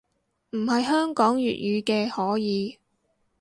唔係香港粵語嘅可以